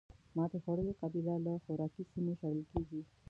ماتې خوړلې قبیله له خوراکي سیمو شړل کېږي.